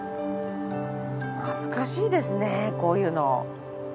懐かしいですねこういうの。